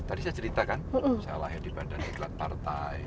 tadi saya cerita kan saya lahir di badan iklan partai